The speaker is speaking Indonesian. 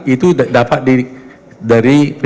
itu dapat dari